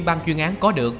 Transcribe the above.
ban chuyên án có được